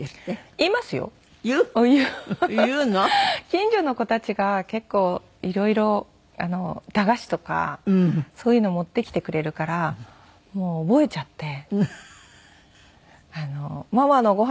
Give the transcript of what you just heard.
近所の子たちが結構色々駄菓子とかそういうのを持ってきてくれるからもう覚えちゃって。